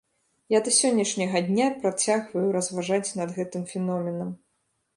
Я да сённяшняга дня працягваю разважаць над гэтым феноменам.